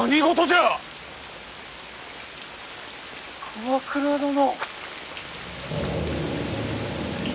鎌倉殿。